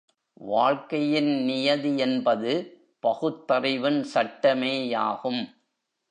வாழ்க்கையின் நியதி என்பது பகுத்தறிவின் சட்டமேயாகும்.